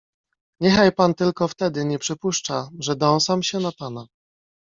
"Niechaj pan tylko wtedy nie przypuszcza, że dąsam się na pana."